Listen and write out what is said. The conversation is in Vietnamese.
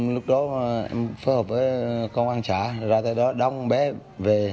lúc đó em phối hợp với công an trả ra tới đó đong bé về